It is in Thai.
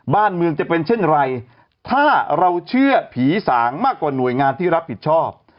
บ้านเมืองจะเป็นเช่นไรถ้าเราเชื่อผีสางมากกว่าหน่วยงานที่รับผิดชอบ